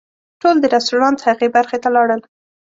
ټول د رسټورانټ هغې برخې ته لاړل.